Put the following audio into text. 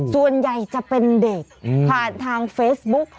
ส่วนใหญ่จะเป็นเด็กผ่านทางเฟซบุ๊ก